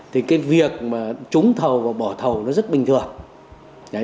thì cái việc mà trúng thầu và bỏ thầu nó rất bình thường